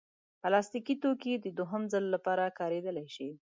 پلاستيکي توکي د دوهم ځل لپاره کارېدلی شي.